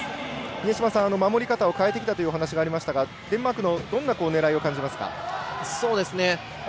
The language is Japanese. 峰島さん、守り方を変えてきたというお話がありましたがデンマークのどんな狙いを感じますか？